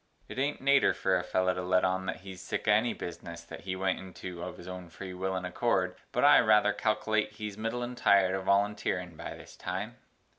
It ain't Nater for a feller to let on that he's sick o' any bizness that he went intu off his own free will and a Cord, but I rather cal'late he's middlin tired o' voluntearin By this time.